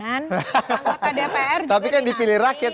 anggota dpr juga dinamai tapi kan dipilih rakyat